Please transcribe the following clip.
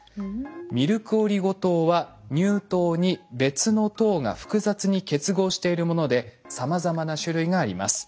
ミルクオリゴ糖は乳糖に別の糖が複雑に結合しているものでさまざまな種類があります。